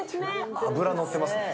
脂のってますね。